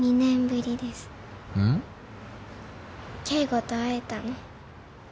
圭吾と会えたの。